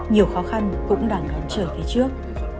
nhiều khó khăn cũng đã nhấn trở về trước